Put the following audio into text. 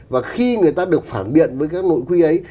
và khi người ta được phản biện với các nội quy ấy